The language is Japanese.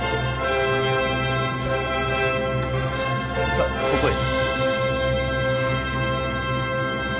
さぁここへ。